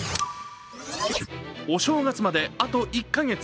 お正月まであと１か月。